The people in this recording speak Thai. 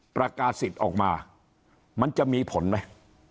ประกาศิษย์ออกมามันจะมีผลไหม